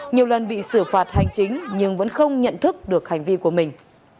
nhiều lần bị xử phạt hành chính nhưng vẫn không nhận thức được hành vi của mình